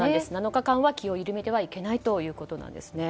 ７日間は気を緩めてはいけないということなんです。